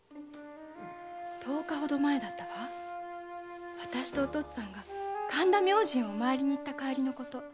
十日ほど前だったわ私とお父っつぁんが神田明神をお詣りに行った帰りのこと。